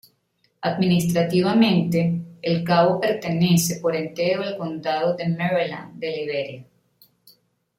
Administrativamente, el cabo pertenece por entero al Condado de Maryland de Liberia.